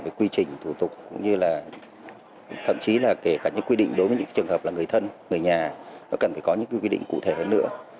về quy trình thủ tục cũng như là thậm chí là kể cả những quy định đối với những trường hợp là người thân người nhà nó cần phải có những quy định cụ thể hơn nữa